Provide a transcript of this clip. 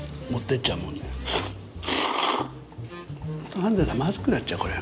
かんだらまずくなっちゃうこれは。